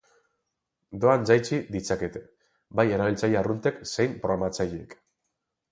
Doan jaitsi ditzakete, bai erabiltzaile arruntek zein programatzaileek.